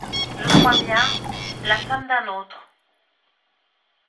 Je crois bien… la femme d’un autre !